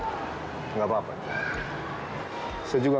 saya sangat mencintai daniel om